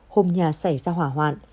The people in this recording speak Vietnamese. hôm nhà xảy ra hỏa hoạn